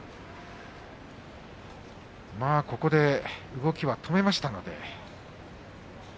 ここで動きは止めましたので。